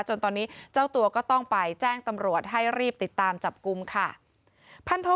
จนตอนนี้เจ้าตัวก็ต้องไปแจ้งตำรวจให้รีบติดตามจับกลุ่มค่ะ